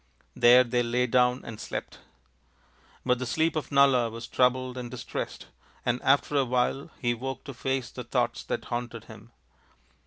There they lay down and slept. But the sleep of Nala was troubled and distressed, and after a while he woke to face the thoughts that haunted him.